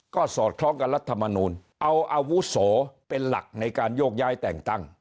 ก็สอดคล้องกับรัฐมนูลเอาอาวุโสเป็นหลักในการโยกย้ายแต่งตั้ง